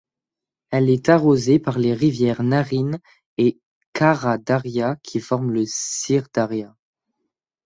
Elle est arrosée par les rivières Naryn et Kara-Daria qui forment le Syr-Daria.